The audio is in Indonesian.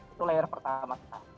itu layer pertama kita